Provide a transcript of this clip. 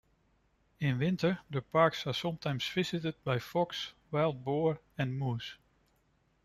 In winter, the parks are sometimes visited by fox, wild boar and moose.